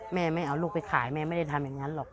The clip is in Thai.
แม่ไม่เอาลูกไปขายแม่ไม่ได้ทำอย่างนั้นหรอก